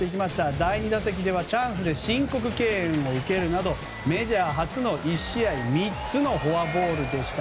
第２打席ではチャンスで申告敬遠を受けるなどメジャー初の１試合３つのフォアボールでした。